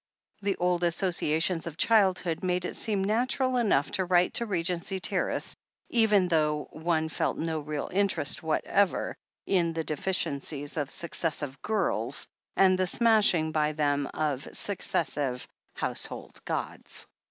The old associations of childhood made it seem natural enough to write to Re gency Terrace, even though one felt no real interest whatever in the deficiencies of successive "girls," and the smashing by them of successive household gods.